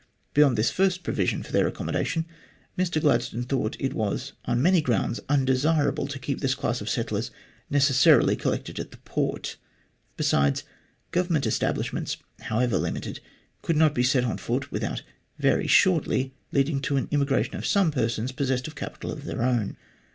Beyond this first provision for their accommodation, Mr Gladstone thought it was on many grounds undesirable to keep this class of settlers necessarily collected at the port. Besides, Govern ment establishments, however limited, could not be set on foot without very shortly leading to an immigration of some persons possessed of capital of their own.